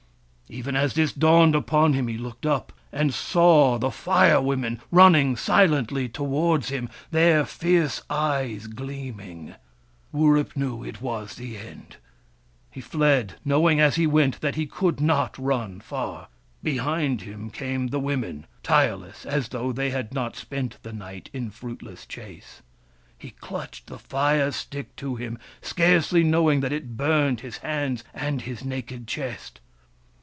Even as this dawned upon him, he looked up and saw the Fire Women running silently towards him, their fierce eyes gleaming. Wurip knew it was the end. He fled, knowing as he went that he could not run far. Behind him came the Women, tireless as though they had not spent the night in fruitless chase. He clutched the fire stick to him, scarcely knowing that it burned his hands and his naked chest.